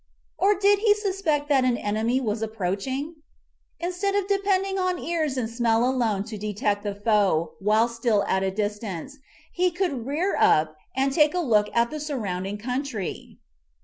Or did he suspect that an enemy was approaching? Instead of depending on ears and smell alone to detect the foe while still at a dis tance, he could rear up and take a look at the sur rounding country.